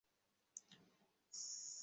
সেই আঙ্কেল অবশ্যই আমাদের সাহায্য করবে!